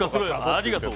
ありがとう。